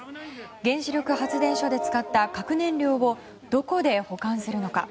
原子力発電所で使った核燃料をどこで保管するのか。